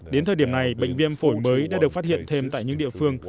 đến thời điểm này bệnh viêm phổi mới đã được phát hiện thêm tại những địa phương